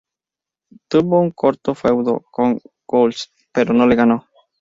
Tuvo un corto feudo con Goldust pero no le ganó.